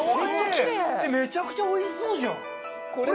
えっめちゃくちゃおいしそうじゃん！